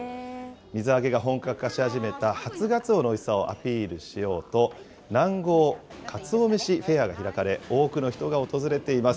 水揚げが本格化し始めた初がつおのおいしさをアピールしようと、南郷かつおめしフェアが開かれ、多くの人が訪れています。